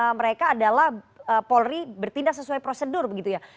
karena mereka adalah polri bertindak sesuai prosedur begitu ya